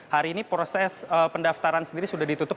hari ini proses pendaftaran sendiri sudah ditutup